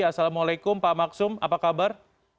assalamualaikum pak maksum apa kabar